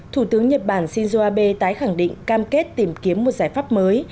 thủ tướng nhật bản shinzo abe tái khẳng định cam kết tìm kiếm một giải pháp mới